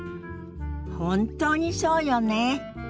本当にそうよね。